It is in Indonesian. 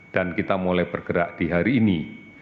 dan kita mulai bergerak di hari ini